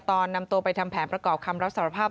ตอนนำตัวไปทำแผนประกอบคำรับสารภาพ